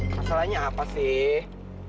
masalahnya apa sih